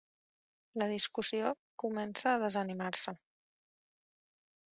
La discussió comença a desanimar-se.